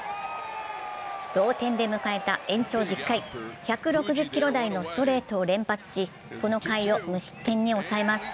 同点で迎えた延長１０回、１６０キロ台のストレートを連発しこの回を無失点に抑えます。